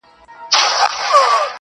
په ځان وهلو باندي ډېر ستړی سو، شعر ليکي.